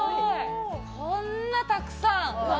こんなにたくさん！